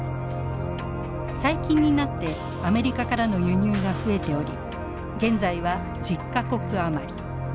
最近になってアメリカからの輸入が増えており現在は１０か国余り。